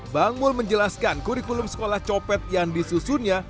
bang mul menjelaskan kurikulum sekolah copet yang disusunnya